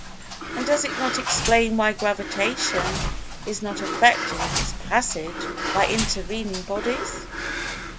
And does it not explain why Gravitation is not affected in its "passage" by intervening bodies?